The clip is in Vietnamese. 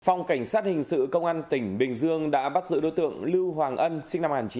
phòng cảnh sát hình sự công an tỉnh bình dương đã bắt giữ đối tượng lưu hoàng ân sinh năm một nghìn chín trăm tám mươi